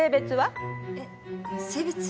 えっ性別？